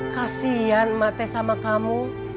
kasian mak teh sama kamu